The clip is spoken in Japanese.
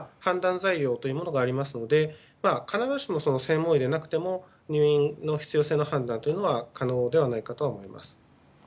材料というのがありますので必ずしも、専門医でなくても入院の必要性の判断というのは可能ではないかと思います。